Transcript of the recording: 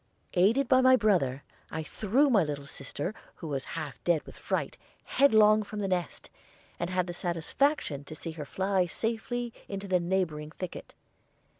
Aided by my brother, I threw my little sister, who was half dead with fright, headlong from the nest, and had the satisfaction to see her fly safely into the neighboring thicket.